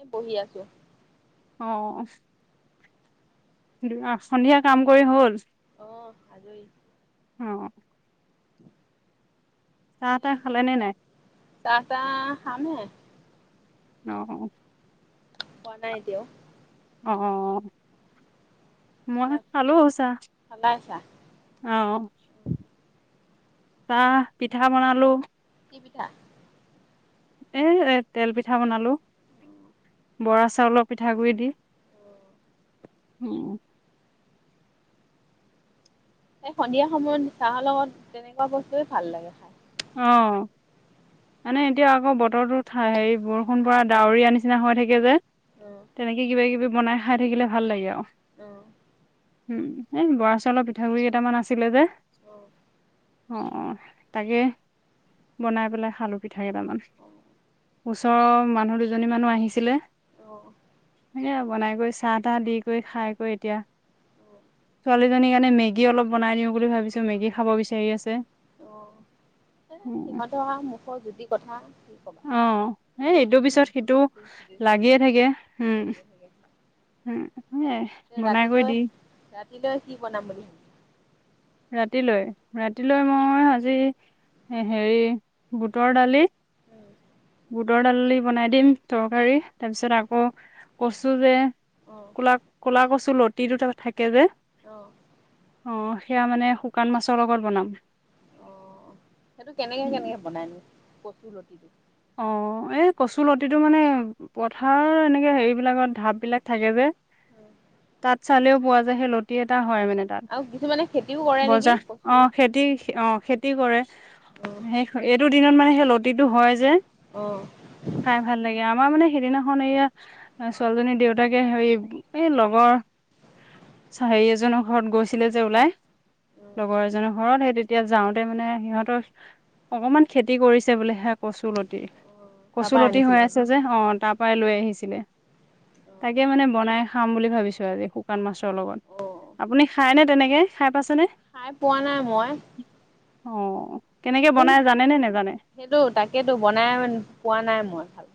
এ বহি আছো। অ', দু-সন্ধিয়া কাম কৰি হ'ল? অ আজৰি অ'। [inaudible] চাহ-তাহ খালেনে নাই? চাহ-তাহ খামহে। অ'। খোৱা নাই এতিয়াও। অ'। মই কিয় খালো চাহ। খালাই চাহ অ'। চাহ, পিঠা বনালো। কি পিঠা? এ তেল পিঠা বনালো। বৰা চাউলৰ পিঠাগুৰি দি। উম। এই সন্ধিয়া সময়ত চাহৰ লগত তেনেকুৱা বস্তুৱে ভাল লাগে খাই। অ', মানে এতিয়া আকৌ বতৰটো ঠা-হেৰি বৰ ষুণ পৰা অ ডাৱৰীয়া নিচিনা হৈ থাকে যে, অ তেনেকে কিবা কিবি বনাই খাই থাকিলে ভাল লাগে আৰু। অ'। উম। এই বৰা চাউলৰ পিঠাগুৰি কেইটামান আছিলে যে অ অ' তাকে বনাই পেলাই খালু পিঠা কেইটামান। ওচৰৰ মানুহ দুজনী মানো আহিছিলে অ'। এ বনাই কৰি, চাহ তাহ দি কৰি, খাই কৰি এতিয়া ছোৱালীজনীৰ কাৰণে মেগী অলপ বনাই দিও বুলি ভাবিছো, মেগী খাব বিচাৰি আছে। অ। এ উম সিহঁতৰ আউ মুখৰ জুতি কথা। কবা অ', এই এইটো পিছত সিটো ইটো সিটো লাগিয়ে থাকে। উম, লাগিয়ে থাকে উম সেইয়াই, বনাই কৰি ৰাতিলৈ দি ৰাতিলৈ কি বনাম বুলি ভাবিছা ৰাতিলৈ, ৰাতিলৈ মই আজি হেৰি বুটৰ দালি বুটৰ দালি বনাই দিম, তৰকাৰী, তাৰপিছত আকৌ কচু যে অ কলা-কলা কচু লতি তি দুটা থা একে যে অ অ অ সেয়া মানে শুকান মাছৰ লগত বনাম। অ', সেইটো উম কেনেকে-কেনেকে বনাইনো, কচুৰ লতিটো? অ', এই কচু লতিটো মানে পথাৰত এনেকে হেৰি বিলাকত ঢাপ বিলাক থাকে যে, তাত চালেও পোৱা যায় সেই লতি এটা হয় মানে তাত, আৰু কিছুমানে খেতিও কৰে নেকি বজাৰ কচুৱে? অ' খেতি অ' খে খেতি কৰে। অ', সে এইটো দিনত মানে সেই লতিটো হয় যে অ'। খাই ভাল লাগে আমাৰ মানে সেইদিনাখন এয়া ছোৱালীজনী দেউতাকে হেৰি, এই লগৰ হেৰি এজনৰ ঘৰত গৈছিল ছিলে যে ওলাই লগৰ এজ ঘৰত, সেই তেতিয়া যাওঁতে মানে সিহঁতৰ অকমান খেতি কৰিছে বুলিহে কচু ল লতি। তাৰ পৰাই কচুলতি হৈ আনিছিলে মানে? আছে যে অ' তাত খোৱা লৈ আহিছিলে, অ', তাকে মানে বনাই খাম বুলি ভাবিছো আজি শুকান মাছ লগত অ', আপুনি খাই নে? তেনেকে খাই পাইছেনে? খাই পোৱা নাই মই। অ' কেনেকে মোক বনাই জানে নে নেজানে? নাই পোৱা নাই মই ভাল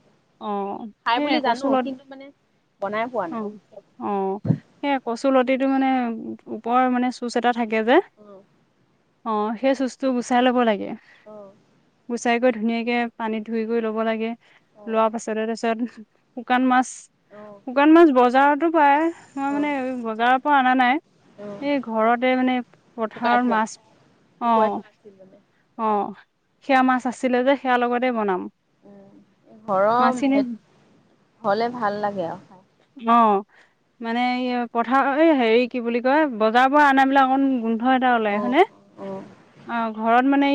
অ' সেই কচু লতি বনাই পোৱা নাই। অ'-অ' সেই কচুলতিটো মানে ওপৰ মানে চুজ এটাত থাকে যে অ', অ' সেই চুজটো গুচাই ল'ব লাগে। আহ। চাইকৈ ধুনীয়াকৈ পানীত ধুই কৰি ল'ব লাগে। অ', লোৱাৰ পাছতে তাৰপিছত, শুকান মাছ অ', শুকান মাছ বজাৰতো শুয়াই মই মানে অ'। বজাৰৰ পৰা অনা নাই, অ', এই ঘৰতে মানে, শুকাই পথাৰত থোৱা মাছ, শুকুৱাই অ'। থোৱা আছিল মানে। অ' সেয়া মাছ আছিলে যে। সেয়া লগতে বনাম ঘৰৰ, মাছখিনি হলে ভাল লাগে আৰু খাই। অ মানে পথাৰ হেৰি কি বুলি কয় বজাৰ পৰা আনা বিলাক অকন গ গোন্ধ এটা ওলাই অ', হয়নে? অ'। অ'। মানে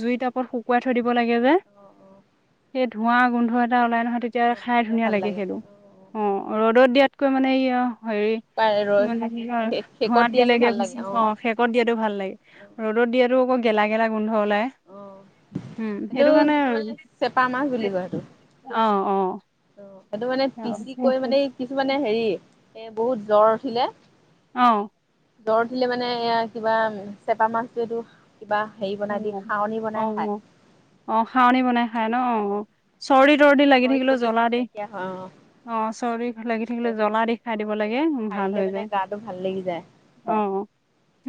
জুই টাপত শুকুৱাই থৈ দিব লাগে যে, সেই ধোঁৱা গোন্ধত ওলাই নহয় তেতিয়া অ', খাই তেতিয়া ধুনীয়া ভাল লাগে, সেইটো অ' ৰ'দত দিয়াত কৈ মানে এইয়া হেৰি, পাই ৰৈ মানে কি শে-শেকত ধোঁৱাত দিয়াটো দিলেগে ভাল বেছি লাগে অ'। শেকত দিয়াতো ভাল লাগে, ৰ'দত দিয়াতো আকৌ গেলা গেলা গোন্ধ ওলাই, অ', উম সেইটো কাৰণে, কিছুমানে চেপা মাছ বুলি কয় সেইটো। অ' অ'। সেইটো মানে পিচি কৈ মানে, কিছুমানে হেৰি এ বহুত জ্বৰ উঠিলে। অ'। দৰ দিলে মানে, এয়া কিবা চেপা মাছটো এইটো কিবা হেৰি বনাই দি অ', খাৱনি বনাই অ', খায়। অ', অ' খাৱনি বনাই খাই ন, অ', চৰ্চিত চৰ্দি লাগি থাকিলে তৰ্দি জ্বলা দি, নাইকিয়া হয় অ', অ' চৰ্দি লাগি থাকিলে চৰ্দি জ্বলা দি খাই অ', দিব লাগে, জ্বলা দি খাই ভাল দিলে হৈ মানে যায়, গাটো ভাল লাগি যায়। অ,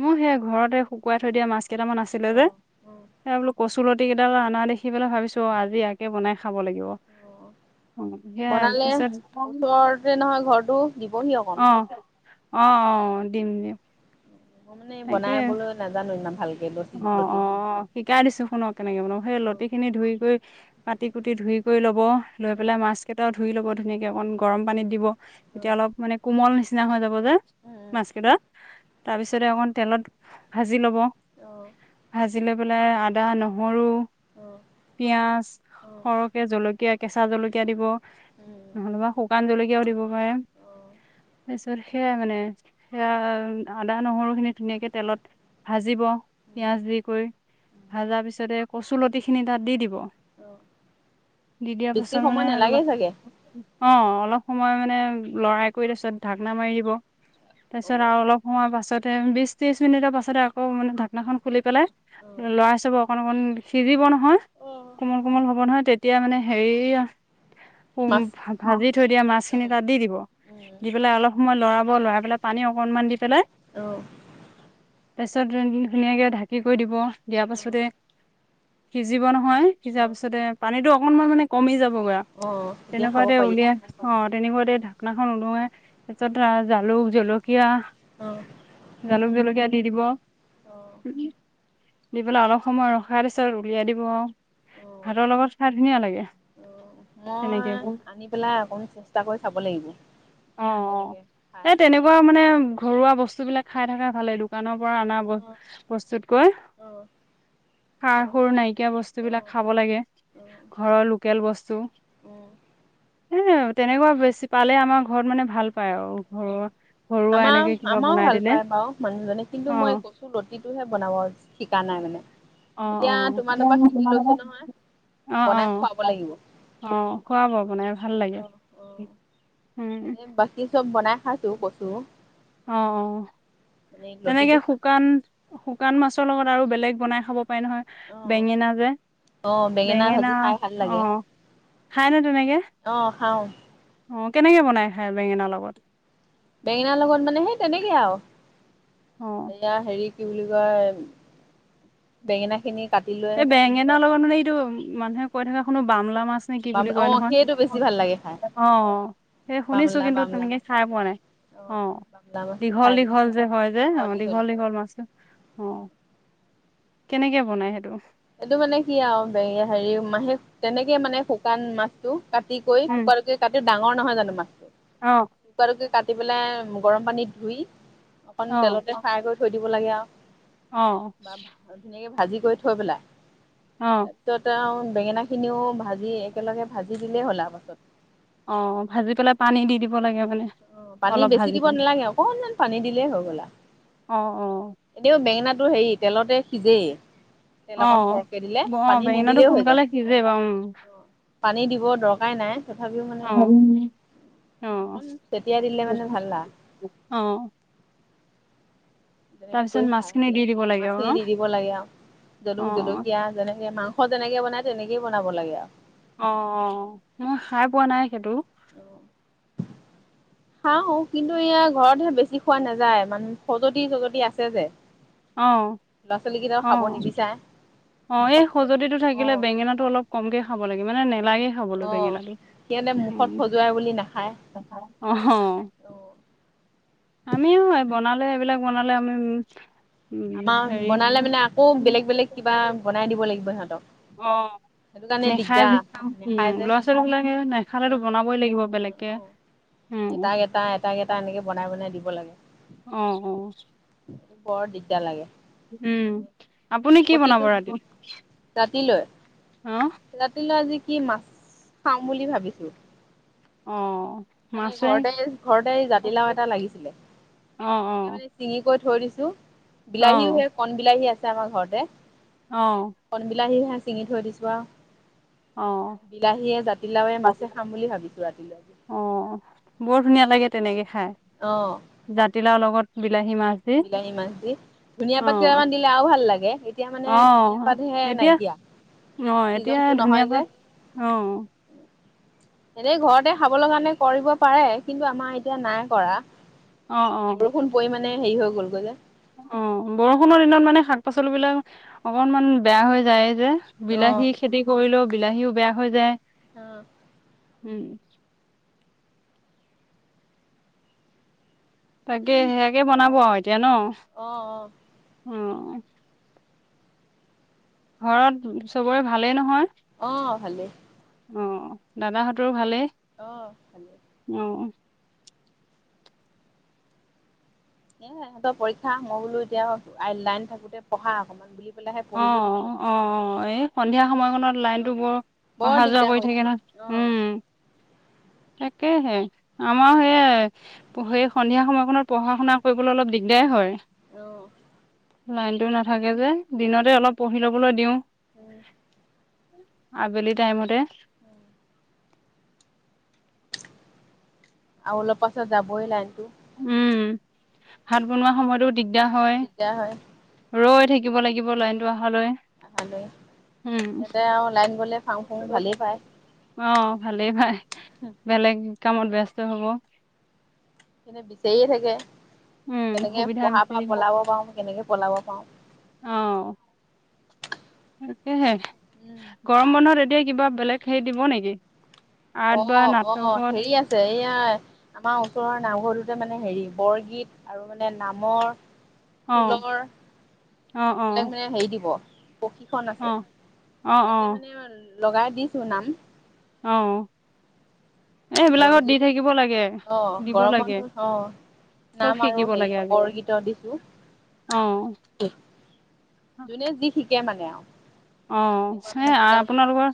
মই সেয়া ঘৰতে শিৱ শুকাই থয় দিয়া মাছ। কেইটামান আছিলে যে। অ', অ', সেই বোলো কচুলতি কেইডাল অনা দেখি পেলাই ভাবিছো, অ' আজি এয়াকে বনাই খাব লাগিব। অ', অ সেয়া বনালে তাৰপিছত ওচৰতে নহয় ঘৰটো দিবহি অ অলপ। অ', অ', দিম দিম। মই মানে তাকে বনাইাবলৈ নাজানো ইমান ভালকে। লতি অ' লতিটো। অ' শিকাই দিছো শুনক কেনেকে বনাই, সেই লতি খিনি ধুই কৈ কাটি-কুটি ধুই কৰি লব। লৈ পেলাই মাছ কেইটা ধুই ল'ব ধুনীয়াকৈ অকণ গৰম পানীত দিব। এতিয়া অলপ মানে কোমল নিচিনা নিচিনা হৈ যাব। হব, যেন মাছ কেইটা। তাৰপিছতে, অকণ তেলত ভাজি ল'ব। ভাজি লৈ পেলে পেলাই আদা, নহৰু, পিয়াজ সৰহকে জলকীয়া কেঁচা জলকীয়া দিব। নহলেবা শুকান জলকীয়াও দিব পাৰে, তাৰপিছত সেয়াই মানে। সেয়া আদা, নহৰুখিনি ধুনীয়াকে তেলত ভাজিব পিয়াজ দি কৰি। ভাজা পিছতে কচুলতি খিনি তাত দি দিব। ব। দি দিয়াৰ বেছি পাছত মানে সময় নালাগে অলপ, চাগে। অ', অলপ সময় মানে লৰাই কৰি তাৰপিছত, ঢাকনা মাৰি দিব। তাৰপিছত আৰু অলপ সময় পাছত তে বিশ-ত্ৰিছ মিনিটৰ পাছতে আকৌ মানে ধাক নাখন খুলি পেলাই লৰাই চাব। অকন অকণ সিজিব নহয় হয়, কোমল-কোমল হ'ব নহয় তেত তিয়া মানে হেৰিয়া উম, মাছ ভা-ভাজি থৈ দিয়া মাছখিনি উম তাত দি দিব, উম দি পেলাই অলপ সময় লৰাব ব, লৰাই পেলাই পানী অকনমান দি পেলাই অ'। তাছত [unintelligible] ধুনীয়াকৈ ঢাকি কৰি দিব আও। দিয়া অঁ পাছতে সিজিব নহয় নহয়। সিজা অঁ পিছতে পানীটো অকনমান মানে কমি যাবগৈ আও, অঁ এতিয়া খাব তেনেকুৱাতে পাৰি উলিয়াই অ' তেনেকুৱাতে ঢাকনাখন উদঙাই তাৰ পিছত জালুক, জল কীয়া, অঁ জালুক, জলকীয়া দি দিব। অঁ দি পেলাই অলপ সময় ৰখাৰ পিছত উলিয়াই দিব আৰু। অঁ ভাতৰ লগত খাই ধুনীয়া লাগে, অঁ তেনেকে মই বোৰ। আনি পেলাই অকণ চেষ্টা কৰি চাব লাগিব অ' কেনেকে অ' খাই এই তেনেকুৱা মানে ঘৰুৱা বস্তু বিলাক খাই থাকা ভালেই দোকানৰ পৰা অনা অঁ বস্তুতকৈ, অ', সাৰ তেনেকে সুৰ নাইকিয়া বস্তুবিলাক অ', খাব লাগে, অ', ঘৰৰ লোকেল বস্তু, উম, সেই তেনেকুৱা বেছি পালে আমাক ঘৰত মানে ভাল অ', ঘৰুৱা এনেকে আমাৰ কিবা আমাৰো বনাই ভাল দিলে পায় বাৰু মানুহজনে কিন্তু মই অ' কচু লতিটোহে বনাব শি কা নাই মানে। অ' অ' এতিয়া [unintelligible] তোমাৰ তাৰপৰা শিকি লৈছো নহয় অ' বনাই অ', খুৱাব লাগিব অ' খুৱাব বনাই ভাল লাগে। অ', অ'। উম, এনে বাকী চব বনাই খাইছো কচু অ অ মানে তেনেকে লতিটো খা শুকান শুকান মাছৰ লগত আৰু বেলেগ বনাই খাব নহয় অ', বেঙেনা যে অ', বেঙেনা ভাজি খাই ভাল অ লাগে খায়নে তেনেকে অ', খাওঁ কেনেকে বনাই খায় বেঙেনাৰ লগত বেঙেনাৰ লগত মানে সেই তেনেকে আৰু অ', এয়া হেৰি কি বুলি কয় বেঙেনা খিনি কাটি লৈ এই বেঙেনা লগত মানে এইটো মানুহে কৈ থাকা শুনো বামলা মাছ নে কি বাম বুলি কয় অ', নহয় সেইটো বেছি ভাল লাগে খাই আহ সেই শুনিছো বামলা কিন্তু বামলা তেনেকে মাছ খাই পোৱা নাই অ বাংলা মাছটো দীঘল খাই বেছি দীঘল ভাল যে হয় যে অ দীঘল দীঘল মাছটো অ কেনেকে বনাই সেইটো এইটো মানে কি আৰু হেৰি মাহে তেনেকে মানে শুকান মাছটো কাটি কৈ উম, টুকুৰা টুকুৰকৈ কাটি ডাঙৰ নহয় জানো মাছটো অ', টুকুৰা টুকুৰকৈ কাটি পেলাই গৰম পানীত ধুই অকণ অ'। তেলতে ফ্ৰাই কৰি থৈ দিব কৰিব লাগে আৰু অ বা ধুনীয়াকে ভাল ভাজি কৰি থৈ পেলাই অ তাৰ পিছত আও বেঙেনা খিনিও ভাজি একেলগে ভাজি দিলেই হ'ল আ পাছত অ ভাজি পেলাই পানী দি দিব লাগে মানে অ পানী অলপ বেছি ভাজি দিব পেলাই নালাগে অকনমান পানী দিলেই হৈ গলা অ অ এনেও বেঙেনাটো হেৰিত তেলতে সিজেই তেল অ অকন সৰহকে দিলে অ পানী বেঙেনাটো নিদিলেও হৈ সোনকালে যায় সিজে বাৰু পানী দিব দৰকাৰাই নাই তথাপিও মানে উম অ অ তিয়াাই দিলে অ মানে ভালা অ তেনেকে তাৰপিছত কৰি মাছখিনি খাও দি দিব লাগে আৰু ন মাছখিনি দি দিব লাগে আৰু অ জলুক জলকীয়া যেনেকে মাংস যেনেকে বন নাই তেনেকেইে বনাব লাগে আৰু অ মই খাই পোৱা নাই সেইটো আৰু খাওঁ কিন্তু এয়া ঘৰতহে বেছি খোৱা নাযায় মানে খজতি চজতি আছে যে অ ল'ৰা ছোৱালী কেইটাও অ খাব নিবিচাৰে অ এই মুখত খজুতিটো অ থাকিলে বেঙেনাটো অলপ কমকৈ খাব লাগে মানে নেলাগে খাবলৈ অ বেঙেনাটো সিহঁতে মুখত খজুৱাই বুলি নাখায় অ অ'। আমিও বনালে এইবিলাক বনালে আমি উম আমাৰ হেৰি বনালে মানে আকৌ বেলেগ বেলেগ কিবা বনাই দিব লাগিব সিহঁতক। অ', সেইটো কাৰণে নেখাই দিগদাৰ উম নেখায় যে লৰা ছোৱালী বিলাকে নেখালো বনাবই লাগিব বেলেগকে, অ', উম। এটাক এটা এটাক এটা এনেকে বনাই বনাই দিব লাগে। অ' অ'। বৰ দিগ তেতিয়া লাগে। উম আপুনি কি বনাব প্ৰতিটো, ৰাতি ৰাতিলৈ অ ৰাতিলৈ আজি কি মাছ, খাম বুলি ভাবিছো। অ'। মানে মাছে ঘৰতে ঘৰতে অ জাতিলাও এটা লাগিছিলে। অ তাকে মানে চিঙি কত ধৰিছোঁ। অ বিলাহীও হে কন বিলাহী আছে। আমাৰ ঘৰতে অ কন বিলাহী হেন ছিঙি থৈ দিছো অ আৰু। বিলাহীয়ে জাতিলাওে মাছে খাম বুলি ভাবিছো ৰাতিলৈ। অ' বৰ ধুনীয়া লাগে তেনেকে। খাই, অ', জাতিলাও লগত বিলাহী মাছ দি বিলাহী মাছ দি, ধনীয়া অ পাত কেইটামান দিলে আৰু ভাল লাগে, এতিয়া মানে অ ধুনীয়া পাতহে এতিয়া নাইকিয়া, অ এতিয়া চিজনটো ধুনীয়া নহয় যে। পাত অ এনেই ঘৰতে খাবলৈ কাৰণে কৰিব পাৰে। কিন্তু আমাৰ এতিয়া নাই কৰা। অ অ বৰষুণ পৰি মানে হেৰি হৈ গ'লগৈ যে। অ', বৰষুণৰ দিনত মানে শাক-পাচলি বিলাক অকনমান বেয়া হৈ যায় যে। অ', বিলাহী খেতি কৰিলেও বিলাহীও বেয়া হৈ যায়। অ'। উম। তাকে সেয়াকে বনাব অ', আৰু এতিয়া ন? অ', উম। ঘৰত চবৰে ভালেই নহয়? অ', ভালেই। অ' দাদাহঁতৰো ভালেই? অহ ভালে। অ' এ সিহঁতৰ পৰীক্ষা, মই বোলো এতিয়া লাইন থাকোতে পঢ়া অকনমান বুলি পেলাইহে পঢ়িব দি অ' থৈ দিছো। অ' এই সন্ধিয়া সময়খনত লাইনটো অ', বৰ বৰ অহা যোৱা দিগদাৰ কৰি থাকে নহয় অ', উম। তাকেহে আমাৰ সেয় সেই সন্ধিয়া সময়খনৰ পঢ়া শুনা কৰিবলৈ অলপ দিগদাৰ হয়। অহ। লাইনটো নাথাকে কে যে দিনতে অলপ পঢ়ি লবলৈ দিওঁ। উম, আবেলি টাইমতে উম। আৰু অলপ পাছত যাবই লাইনতো। উম ভাত বনোৱা সময়তোত দিগদাৰ হয়। দিগদাৰ হয় ৰৈ থাকি থাকিব লাগিব উম। লাইনতটো অহালৈ আহালৈ উম। ইয়াতে আৰু লাইন গ'লে ফাং ফুং ভালেই পায়। অ' ভালেই ভাই বেলেগ কামত ব্যস্ত হব। [inaudible] এনে বিচাৰে থাকে। উম তেনেকে সুবিধা পঢ়া বিচাৰি পা পলাব পাৰো, কেনেকে পলাব‌ পাৰো অ'। তাকেই। গৰম বন্ধত এদি য়ে, কিবা বেলেগ হেৰি, দিব নেকি? আৰ্ট অ', বা অ', নাটকত হেৰি আছে এই য়া, আমাৰ ওচৰৰ নামঘৰটোতে মানে হেৰি, বৰগীত আৰু মানে নামৰ অ ফুলৰ অ অ এইবিলাক মানে হেৰি দিব প্ৰশিক্ষণ অ আছে, অ অ তাতে মানে লগাই দিছো নাম অ'। এই সেইবিলাকত দি বৰগীত থাকিব লাগে অ', দিব গৰম লাগে বন্ধত অ', চব নাম আৰু শিকিব লাগে হেৰি, আজিকালি বৰগীতৰ দিছো। অ যোনে যি শিক কে মানে আৰু অ', তেনেকুৱা সেই মানে শিকা আপোনালোকৰ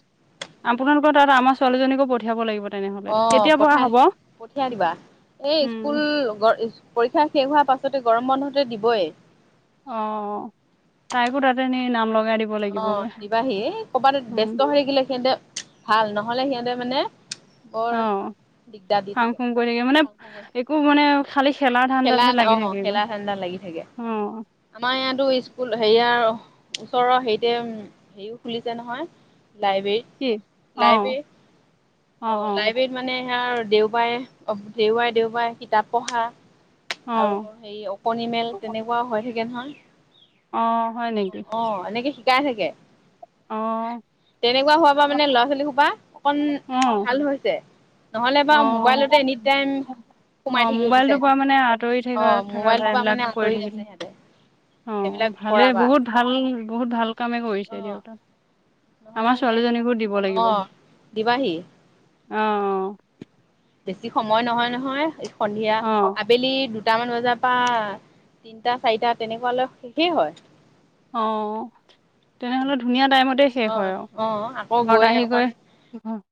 আপোনালক তাত আমাৰ ছোৱালীজনীকো পঠিয়াব লাগিব। তেনেহ'লে অ', কেতিয়া পৰা পঠাই হ'ব পঠিয়াই দিবা, এই স্কুল উম, পৰীক্ষা শেষ হোৱাৰ পাছত এইটো গৰম বন্ধতেই দিবই। অ, তাইকো তাতে নি নাম লগা অ, দিবাহি, এ ক'বাত ব্যস্ত উম, হৈ গেলে সিহঁতে ভাল ন। নহ'লে সিহঁতে মানে বৰ অ, দিগদাৰ দি ফাং, ফুং, কৰি থাকে মানে একো মানে খালী খেলাত অ', খেলাৰ ধাণ্ডাত লাগি থাকে, অ' আমাৰ ইয়াতো স্কুল হেৰিয়াৰ ওচৰৰ হেৰিতে হেৰিও খুলিছে নহয়। কি লাইব্ৰেৰীত অ' লাইব্ৰেৰী অ' অঁ, অ' লাইব্ৰেৰীত মানে সেয়া আৰু দেওবাৰে দেওবাৰে দেওবাৰে কিতাপ পঢ়া আৰু অ' সেই অকণি মেল তেনেকুৱা হয়। সেখন। অ', হয় নেকি? কাই থাকে অ' তেনেকুৱা হোৱাৰ পৰা অ' মানে ল'ৰা ছোৱালী হোপা অকন অ' ভাল হৈছে। নহলে বাৰু মোবাইলতে এনিটাইম সোমাই অ' থাকিব মোবাইলটোৰ পৰা বিচাৰে। মানে আঁতৰি থকা অ', থকা যায় মোবাইলটোৰ পৰা এইবিলাক মানে কৰি আঁতৰি আছে থাকিলে সিহঁতে সেইবিলাক অ', ভালে কৰা পৰা। বহুত ভাল বহুত ভাল কামে কৰিছে, অ' দেউতা। নহ'লে আমাৰ মানে ছোৱালীজনীকো দিব লাগিব। অঁ, অ' দিবাহি। অঁ। বেছি সময় নহয়, নহয়। সন্ধিয়া অ অ আবেলি দু দুটামান বজাৰ পৰা তিনটা চাৰিটা তেনেকুৱা লৈ শেষেই হয়। অ', তেনেহলে ধুনীয়া টাইমতে শেষ হয় অ' আৰু, অ' আকৌ গৈ ঘৰত আহি অকণ গৈ